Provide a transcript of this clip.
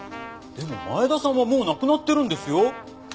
でも前田さんはもう亡くなってるんですよ？